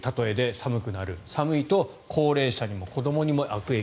寒くなると高齢者や子どもにも悪影響。